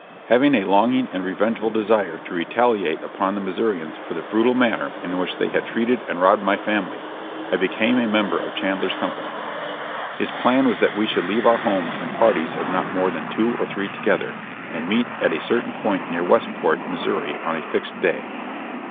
Having a longing and revengeful desire to retaliate upon the Missourians for the brutal manner in which they had treated and robbed my family, I became a member of Chandler's company. His plan was that we should leave our homes in parties of not more than two or three together, and meet at a certain point near Westport, Missouri, on a fixed day.